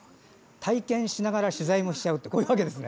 体験しながら取材もしちゃうってわけですね。